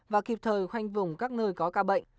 và kịp thời khoanh vùng các nơi có ca bệnh